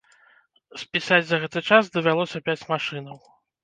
Спісаць за гэты час давялося пяць машынаў.